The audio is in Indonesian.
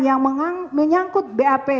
yang menyangkut bap